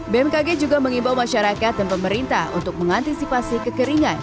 bmkg juga mengimbau masyarakat dan pemerintah untuk mengantisipasi kekeringan